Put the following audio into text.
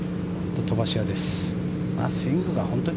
飛ばし屋です。